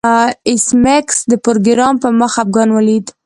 ایس میکس د پروګرامر په مخ خفګان ولید